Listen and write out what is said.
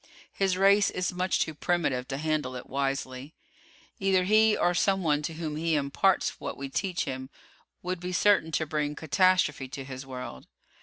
His race is much too primitive to handle it wisely. Either he, or someone to whom he imparts what we teach him, would be certain to bring catastrophe to his world.